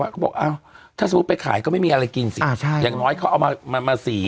ก็บอกเอาถ้าสมมุติไปขายก็ไม่มีอะไรกินสิ